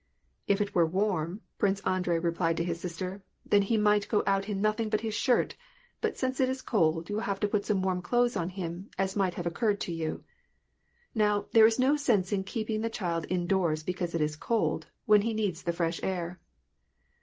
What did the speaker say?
'^" If it were warm," Prince Andrei replied to his sister, " then he might go out in nothing but his shirt ; but since it is cold, you will have to put some warm clothes on him, as might have occurred to you. Now, there is no sense in keeping the child indoors because it is cold, when he needs the fresh air."